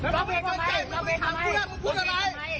ทำอะไรคุณไหม